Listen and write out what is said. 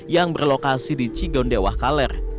yang berlokasi di cigondewa kaler